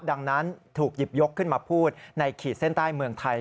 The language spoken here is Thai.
ดังนั้นถูกหยิบยกขึ้นมาพูดในขีดเส้นใต้เมืองไทย